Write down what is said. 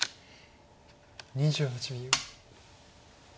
２８秒。